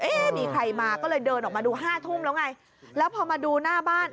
มีใครมาก็เลยเดินออกมาดูห้าทุ่มแล้วไงแล้วพอมาดูหน้าบ้าน